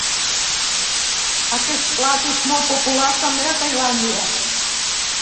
Aquest plat és molt popular també a Tailàndia.